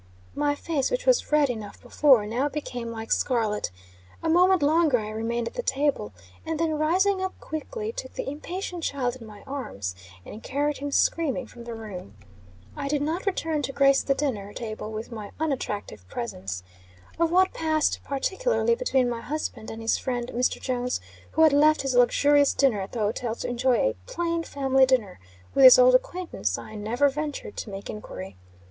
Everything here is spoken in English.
My face, which was red enough before, now became like scarlet. A moment longer I remained at the table, and then rising up quickly took the impatient child in my arms, and carried him screaming from the room. I did not return to grace the dinner table with my unattractive presence. Of what passed, particularly, between my husband and his friend Mr. Jones, who had left his luxurious dinner at the hotel to enjoy "a plain family dinner" with his old acquaintance, I never ventured to make enquiry.